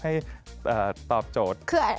ให้ตอบโจทย์